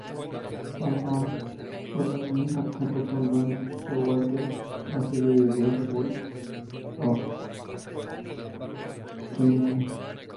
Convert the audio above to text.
Hoffmann protagoniza, junto con Don Showalter, la serie de videos "World of Chemistry".